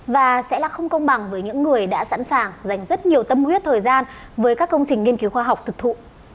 và sẽ là không công bằng với những người đã sẵn sàng dành rất nhiều tâm huyết thời gian với các công trình nghiên cứu khoa học thực thụ